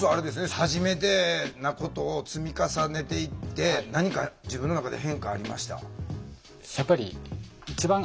はじめてなことを積み重ねていって何か自分の中で変化ありました？